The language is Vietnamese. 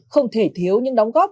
không thể thiếu những đóng góp